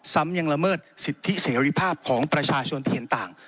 ซ้ำยังละเมิดสิทธิเสรีภาพของประชาชนที่เห็นต่าง